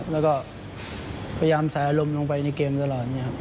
แล้วก็พยายามแสลลมลงไปในเกมตลอดให้